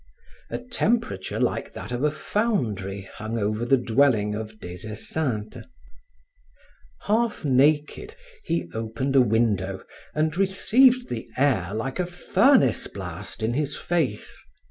A temperature like that of a foundry hung over the dwelling of Des Esseintes. Half naked, he opened a window and received the air like a furnace blast in his face.